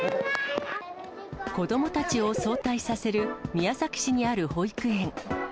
子どもたちを早退させる、宮崎市にある保育園。